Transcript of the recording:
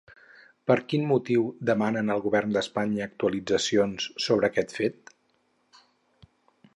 Per quin motiu demanen al Govern d'Espanya actualitzacions sobre aquest fet?